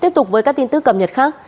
tiếp tục với các tin tức cầm nhật khác